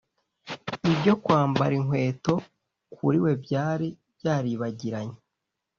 Ibyo kwambara inkweto kuri we byari byaribagiranye